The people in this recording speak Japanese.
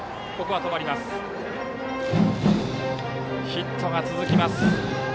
ヒットが続きます。